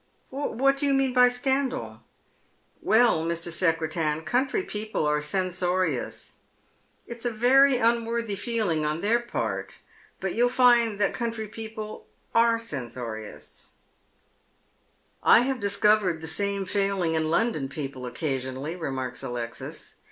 " What do you mean by scandal ?"" Well, Mr. Secretan, country people are censorious. It's a very unworthy feeling on their part, but you'll find that countrjf people are censorious," 248 Dead MerHs Shoe$. v "I have discovered the same failing in London people fCcasionally," remarks Alexis.